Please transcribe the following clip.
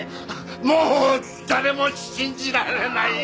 もう誰も信じられないよ！